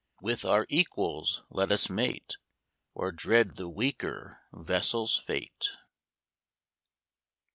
With our equals let us mate, Or dread the weaker vessel's fate.